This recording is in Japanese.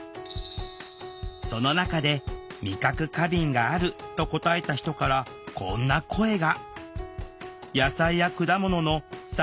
その中で「味覚過敏がある」と答えた人からこんな声が。